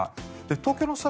東京の空